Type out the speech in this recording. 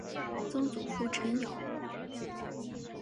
曾祖父陈友。